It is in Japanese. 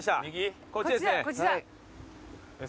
こっちですね。